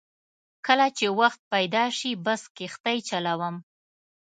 کله چې وخت پیدا شي بس کښتۍ چلوم.